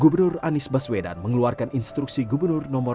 gubernur anies paswedan mengeluarkan instruksi gubernur nomor enam puluh enam